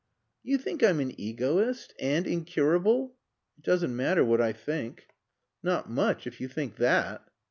"You think I'm an egoist? And incurable?" "It doesn't matter what I think." "Not much. If you think that."